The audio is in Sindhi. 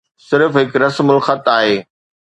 صرف هڪ رسم الخط آهي.